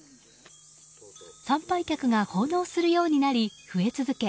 参拝客が奉納するようになり増え続け